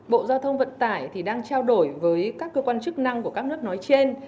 bộ giao thông vận tải đang trao đổi với các cơ quan chức năng của các nước nói trên